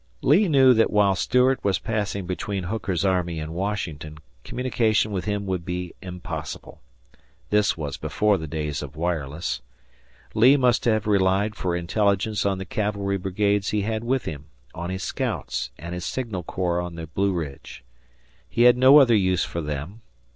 Lee knew that while Stuart was passing between Hooker's army and Washington communication with him would be impossible. This was before the days of wireless! Lee must have relied for intelligence on the cavalry brigades he had with him, on his scouts, and his signal corps on the Blue Ridge. He had no other use for them.